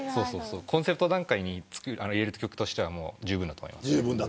コンセプト段階に入れる曲としてはじゅうぶんだと思います。